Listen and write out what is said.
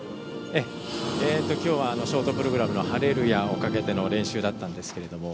今日はショートプログラムの「ハレルヤ」をかけての練習だったんですが。